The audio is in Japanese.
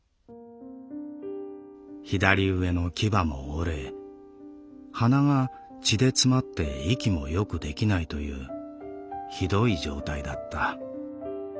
左上の牙も折れ鼻が血で詰まって息もよくできないという酷い状態だった。